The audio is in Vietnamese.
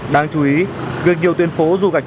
đáng chú ý gần nhiều tuyên phố dù gạch